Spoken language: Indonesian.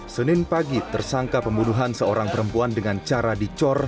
senin pagi tersangka pembunuhan seorang perempuan dengan cara dicor